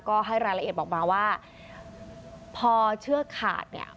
ก็ให้รายละเอียดออกมาว่าพอเชือกขาดเนี่ย